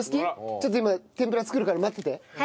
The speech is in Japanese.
ちょっと今天ぷら作るから待ってて！